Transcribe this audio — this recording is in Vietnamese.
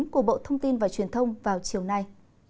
của bộ thông tin và truyền thông vào chiều nay